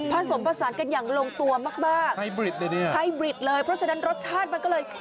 ผสมผสานกันอย่างลงตัวมากไฮบริดเลยเพราะฉะนั้นรสชาติมันก็เลย